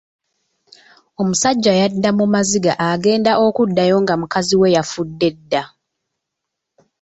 Omusajja yadda mu maziga agenda okuddayo nga mukazi we yafudde dda.